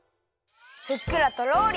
ふっくらとろり